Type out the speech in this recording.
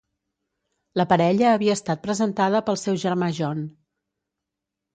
La parella havia estat presentada pel seu germà John.